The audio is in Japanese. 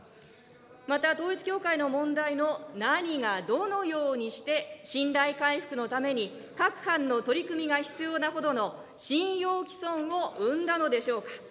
また、統一教会の問題の何が、どのようにして信頼回復のために各般の取り組みが必要なほどの信用毀損を生んだのでしょうか。